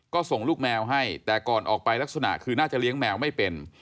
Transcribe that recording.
ก็ส่งลูกแมวให้แต่ก่อนออกไปลักษณะคือน่าจะเลี้ยงแมวไม่เป็น